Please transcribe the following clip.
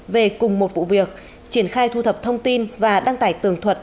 về cùng một vụ việc triển khai thu thập thông tin và đăng tải tường thuật